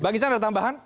bagi saya ada tambahan